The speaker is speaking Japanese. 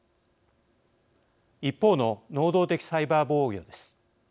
一方の能動的サイバー防御です。